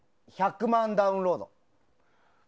１００万ダウンロード。